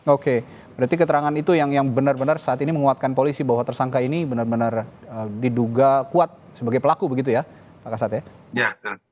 oke berarti keterangan itu yang benar benar saat ini menguatkan polisi bahwa tersangka ini benar benar diduga kuat sebagai pelaku begitu ya pak kasat ya